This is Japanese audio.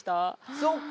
そっか。